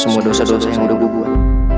semua dosa dosa yang sudah gue buat